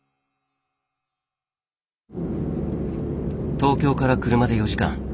東京から車で４時間。